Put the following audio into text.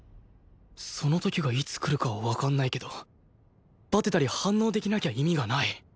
「その時」がいつくるかはわかんないけどバテたり反応できなきゃ意味がない